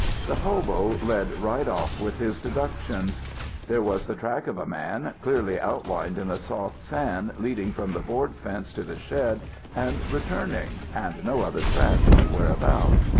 "The hobo led right off with his deductions. There was the track of a man, clearly outlined in the soft sand, leading from the board fence to the shed and returning, and no other track anywhere about.